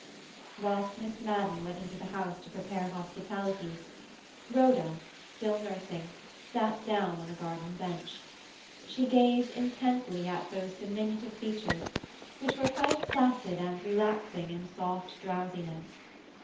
Whilst Miss Madden went into the house to prepare hospitalities, Rhoda, still nursing, sat down on a garden bench. She gazed intently at those diminutive features, which were quite placid and relaxing in soft drowsiness.